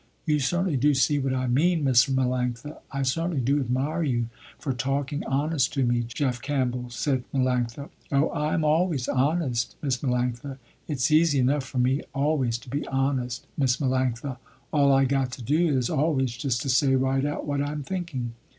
You certainly do see what I mean, Miss Melanctha." "I certainly do admire you for talking honest to me, Jeff Campbell," said Melanctha. "Oh, I am always honest, Miss Melanctha. It's easy enough for me always to be honest, Miss Melanctha. All I got to do is always just to say right out what I am thinking.